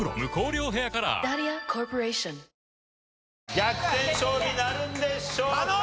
逆転勝利なるんでしょうか？